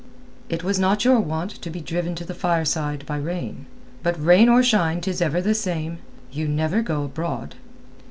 "It was not your wont to be driven to the fireside by rain. But rain or shine 'tis ever the same. You never go abroad."